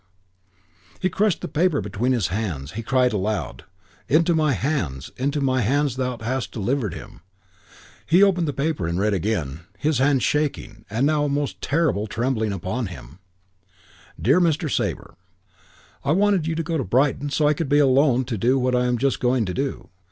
He crushed the paper between his hands. He cried aloud: "Into my hands! Into my hands thou hast delivered him!" He opened the paper and read again, his hand shaking, and now a most terrible trembling upon him. Dear Mr. Sabre, I wanted you to go to Brighton so I could be alone to do what I am just going to do.